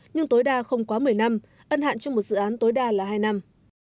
nhưng tối đa không quá một mươi năm ân hạn cho một dự án tối đa là hai năm